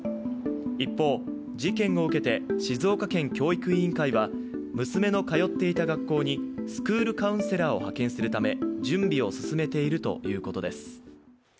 一方、事件を受けて静岡県教育委員会は娘の通っていた学校にスクールカウンセラーを派遣するため、準備を進めているということです。